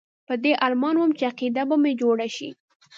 په دې ارمان وم چې عقیده به مې جوړه شي.